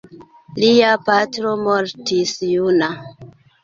Lia patro mortis juna.